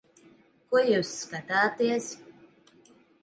Ko jūs skatāties?